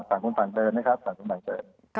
สามคนสามเติมนะครับสามคนสามเติม